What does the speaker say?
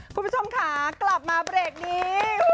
คุณผู้ชมค่ะกลับมาเบรกนี้